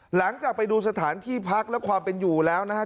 หลังจากไปดูสถานที่พักและความเป็นอยู่แล้วนะครับ